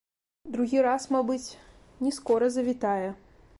Другі раз, мабыць, не скора завітае.